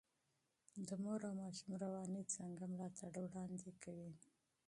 د مور او ماشوم رواني څانګه ملاتړ وړاندې کوي.